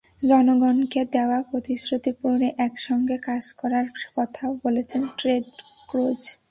জনগণকে দেওয়া প্রতিশ্রুতি পূরণে একসঙ্গে কাজ করার কথাও বলেছেন ট্রেড ক্রুজ।